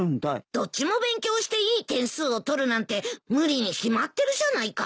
どっちも勉強していい点数を取るなんて無理に決まってるじゃないか。